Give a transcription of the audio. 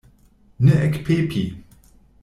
Ne ekpepi!